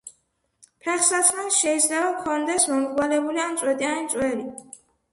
ფეხსაცმელს შეიძლება ჰქონდეს მომრგვალებული ან წვეტიანი წვერი.